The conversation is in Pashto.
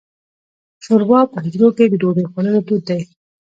شوروا په حجرو کې د ډوډۍ خوړلو دود دی.